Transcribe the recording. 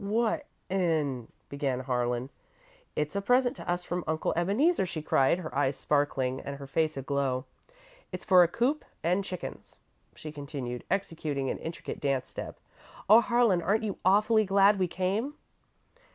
"What in " began Harlan. "It's a present to us from Uncle Ebeneezer," she cried, her eyes sparkling and her face aglow. "It's for a coop and chickens," she continued, executing an intricate dance step. "Oh, Harlan, aren't you awfully glad we came?"